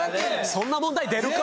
そんな問題出るか！